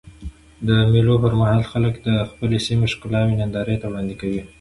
د مېلو پر مهال خلک د خپلي سیمي ښکلاوي نندارې ته وړاندي کوي.